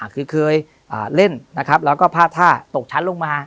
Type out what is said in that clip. คือเคยเล่นแล้วก็พาดท่าตกชั้นลงมา